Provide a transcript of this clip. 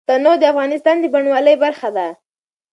تنوع د افغانستان د بڼوالۍ برخه ده.